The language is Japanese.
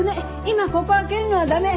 今ここを開けるのは駄目！